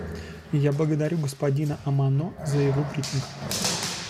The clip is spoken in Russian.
Я благодарю господина Амано за его брифинг.